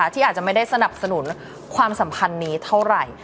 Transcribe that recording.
ที่อาจจะไม่ได้สนับสนุนความสัมพันธ์นี้เท่าไหร่